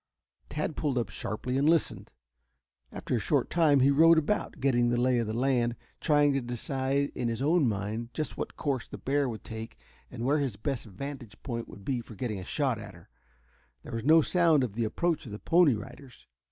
Tad pulled up sharply and listened. After a short time he rode about, getting the lay of the land, trying to decide in his own mind just what course the bear would take and where his best vantage point would be for getting a shot at her. There was no sound of the approach of the Pony Riders.